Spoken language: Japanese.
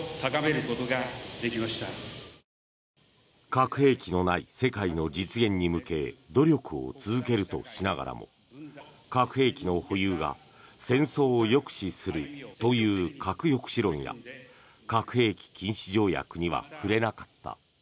核兵器のない世界の実現に向け努力を続けるとしながらも核兵器の保有が戦争を抑止するという核抑止論や核兵器禁止条約には触れなかった。